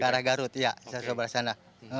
ke arah garut iya